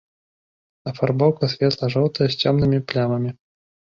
Афарбоўка светла-жоўтая з цёмнымі плямамі.